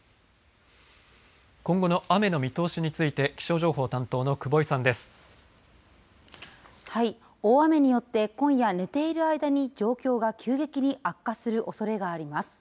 今後の雨の見通しについて大雨によって今夜、寝ている間に状況が急激に悪化するおそれがあります。